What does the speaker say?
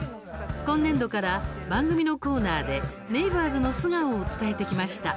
今年度から番組のコーナーでネイバーズの素顔を伝えてきました。